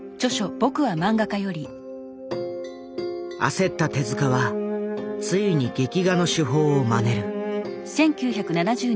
焦った手はついに劇画の手法をまねる。